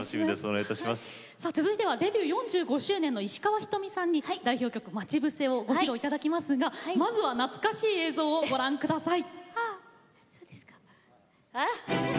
続いてはデビュー４５周年の石川ひとみさんに代表曲の「まちぶせ」をご披露いただきますがまずは懐かしい映像をご覧ください。